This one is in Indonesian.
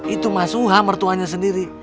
itu mas uha mertuanya sendiri